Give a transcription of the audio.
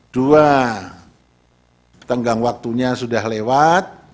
dua tenggang waktunya sudah lewat